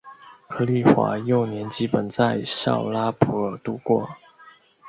柯棣华幼年基本在绍拉普尔度过。